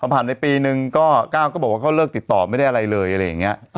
ผ่านไปปีนึงก็ก้าวก็บอกว่าเขาเลิกติดต่อไม่ได้อะไรเลยอะไรอย่างนี้